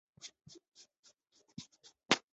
登顶路线是行经北坳的北侧路线。